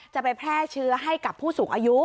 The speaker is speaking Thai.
จะไปแพร่เชื้อให้กับผู้สูงอายุ